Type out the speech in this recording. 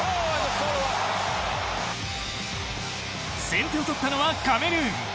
先手を取ったのはカメルーン。